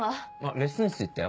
レッスン室行ったよ。